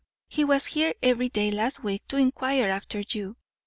he was here every day last week to enquire after you."